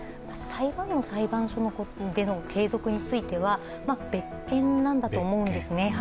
台湾での裁判の継続については別件なんだと思います。